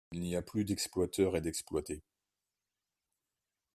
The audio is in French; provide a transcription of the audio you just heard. Il n'y a plus d'exploiteurs et d'exploités.